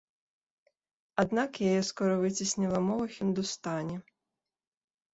Аднак яе скора выцесніла мова хіндустані.